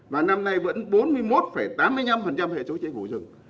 và năm nay vẫn bốn mươi một tám mươi năm hệ số chế phủ rừng